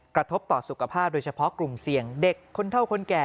กระทบต่อสุขภาพโดยเฉพาะกลุ่มเสี่ยงเด็กคนเท่าคนแก่